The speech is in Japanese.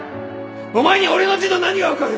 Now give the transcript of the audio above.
お前に俺の字の何が分かる！